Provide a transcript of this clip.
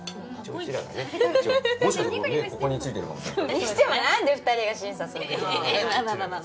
にしても何で２人が審査するのよ。